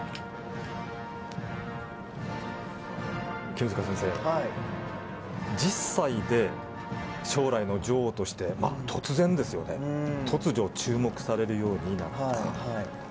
君塚先生、１０歳で将来の女王として突如、注目されるようになった。